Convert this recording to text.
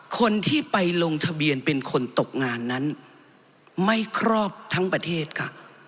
คนที่ไปลงทะเบียนเป็นคนตกงานนั้นไม่ครอบทั้งประเทศค่ะ